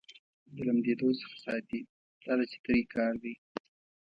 د لمدېدو څخه ساتي دا د چترۍ کار دی.